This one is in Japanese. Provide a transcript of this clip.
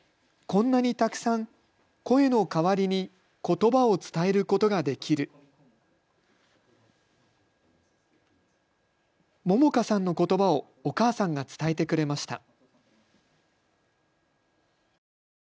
こんなにたくさんこえのかわりにことばをつたえることができる百花さんのことばをお母さんが伝えてくれました。